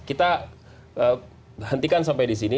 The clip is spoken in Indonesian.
kita hentikan sampai di sini